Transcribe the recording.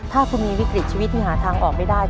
ถ้าคุณมีวิกฤตชีวิตที่หาทางออกไม่ได้